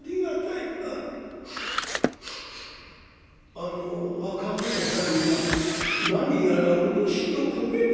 「あの若蔵さんや何やら漆の焦げるにおいが。